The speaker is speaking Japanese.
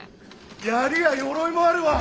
槍や鎧もあるわ！